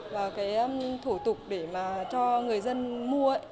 và thủ tục để cho người dân mua